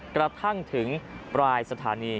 กระทั่งถึงปลายสถานี